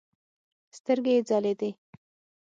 سترګې يې ځلېدې.